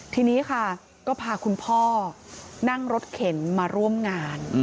ทีนี้ค่ะก็พาคุณพ่อนั่งรถเข็นมาร่วมงาน